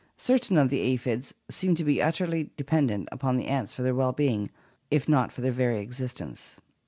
Certain of the aphids seem to be utterly dependent upon the ants for their well being if not for their very existence.